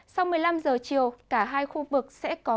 sau một mươi năm giờ chiều cả hai khu vực sẽ có